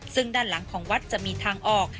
ซึ่งด้านหลังของวัดจะมีทางออก